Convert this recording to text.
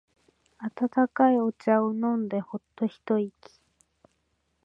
温かいお茶を飲んでホッと一息。